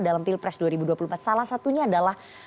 dalam pilpres dua ribu dua puluh empat salah satunya adalah